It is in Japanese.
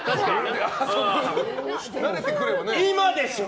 今でしょ！